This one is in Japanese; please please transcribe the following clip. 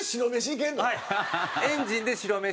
エンジンで白飯。